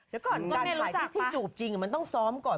อย่าก่อนถ่ายที่ที่จูบจริงมันต้องซ้อมก่อน